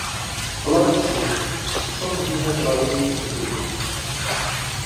بڵاگ چییە؟ چۆن ببینە بڵاگەرێکی سەرکەوتوو؟